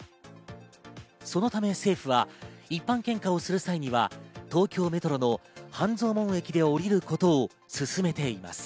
そのため政府は一般献花をする際には東京メトロの半蔵門駅で降りることを勧めています。